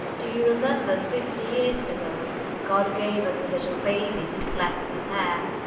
"Do you remember fifty years ago God gave us a little baby with flaxen hair?